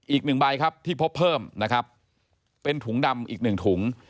อีกหนึ่งใบครับที่พบเพิ่มนะครับเป็นถุงดำอีกหนึ่งถุง